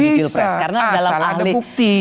di pilpres karena dalam ahli